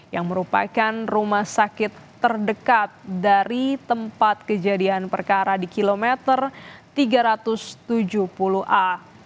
yang merupakan rumah sakit terdekat dari tempat kejadian perkara di kilometer tiga ratus tujuh puluh a